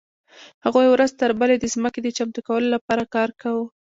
هغوی ورځ تر بلې د ځمکې د چمتو کولو لپاره کار کاوه.